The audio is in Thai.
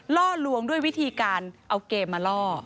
ล่อลวงด้วยวิธีการเอาเกมมาล่อ